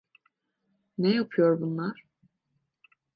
Ne yapıyor bunlar?